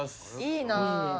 いいなぁ。